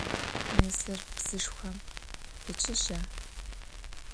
Mezır psıxhom peçıja?